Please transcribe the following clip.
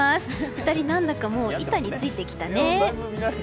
２人、何だか板についてきたね。